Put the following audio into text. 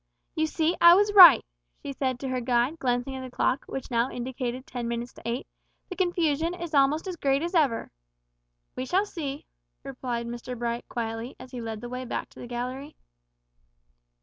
"You see I was right!" she said to her guide, glancing at the clock, which now indicated ten minutes to eight; "the confusion is almost as great as ever." "We shall see," replied Mr Bright, quietly, as he led the way back to the gallery.